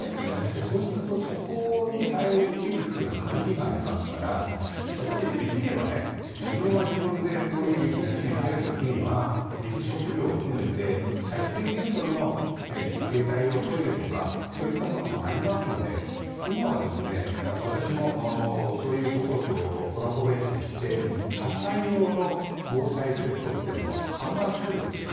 そうするとそこに対応できるというのは限りがありますからできれば自分は自分でこういう雪道に入る時には水、食料含めて最低限度の携帯用トイレとかそういったものもありますので今は私もそういうところとコラボレーションして車載用の防災セットというのも販売しているんですよね。